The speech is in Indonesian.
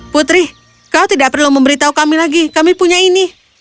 putri kau tidak perlu memberitahu kami lagi kami punya ini